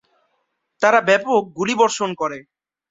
তারা ব্যাপক গুলিবর্ষণ করে।